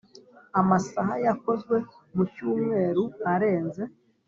Amasaha yakozwe mu cyumweru arenze